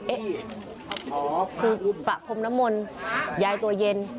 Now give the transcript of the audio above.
เอ๊ะคือปะพรมนมลยายตัวเย็น